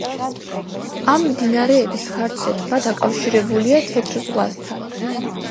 ამ მდინარეების ხარჯზე ტბა დაკავშირებულია თეთრ ზღვასთან.